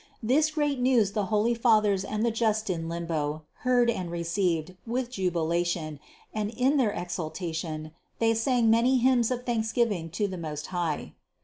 This great news the holy fathers and the just in limbo heard and received with jubilee and in their exultation they sang many hymns of thanksgiving to the Most High.